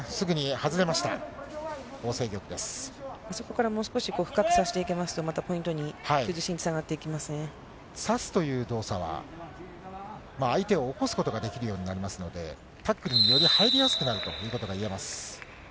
あそこから少し深くさしていけますと、またポイントに、差すという動作は、相手を起こすことができるようになりますので、タックルにより入りやすくなるということがいえると思います。